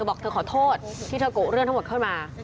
บอกเธอขอโทษที่เธอกุเรื่องทั้งหมดเข้ามา